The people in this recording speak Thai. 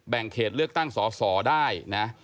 แบ่งเขตเลือกตั้งสสได้